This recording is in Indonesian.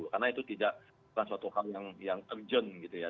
karena itu tidak sesuatu hal yang urgent gitu ya